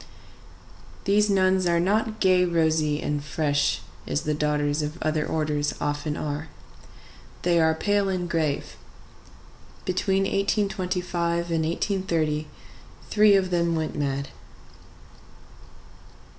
These nuns are not gay, rosy, and fresh, as the daughters of other orders often are. They are pale and grave. Between 1825 and 1830 three of them went mad.